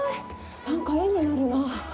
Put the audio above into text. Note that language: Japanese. なんか絵になるなあ。